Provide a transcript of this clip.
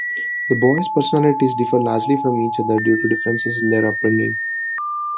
The boys' personalities differ largely from each other due to differences in their upbringing.